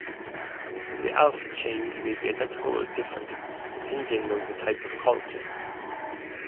The alpha chains may be identical or different, depending on the type of collagen.